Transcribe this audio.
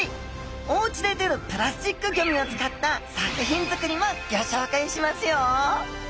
おうちで出るプラスチックゴミを使った作品作りもギョ紹介しますよ！